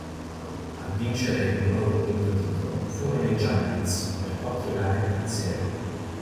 A vincere il loro quinto titolo furono i Giants per quattro gare a zero.